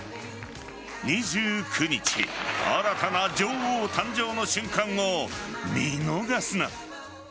２９日新たな女王誕生の瞬間を見逃すな。